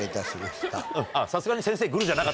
あっさすがに先生。